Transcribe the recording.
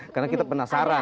karena kita penasaran